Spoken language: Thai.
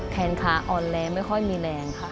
แขนขาอ่อนแรงไม่ค่อยมีแรงค่ะ